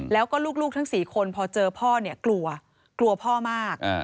แล้วก็ลูกทั้ง๔คนพอเจอพ่อเนี่ยกลัวกลัวพ่อมาก